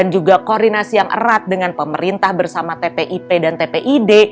juga koordinasi yang erat dengan pemerintah bersama tpip dan tpid